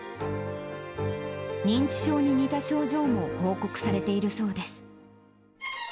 認知症に似た症状も報告されているそうです。